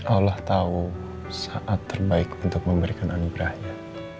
allah tahu saat terbaik untuk memberikan anugerahnya